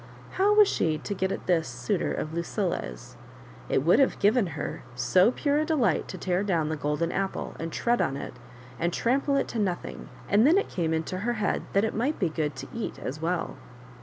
How was she to get at t)^is suitor of Lucilla's? It would have given her so pure a delight to tear down the golden apple, and tread on it, and trample it to nothing ; and then it came into her head that it might be good to eat as well.